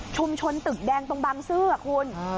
ชุมชนตึกแดงตรงบางเสื้อคุณ